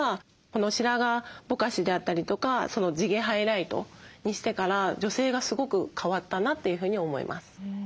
この白髪ぼかしであったりとか地毛ハイライトにしてから女性がすごく変わったなというふうに思います。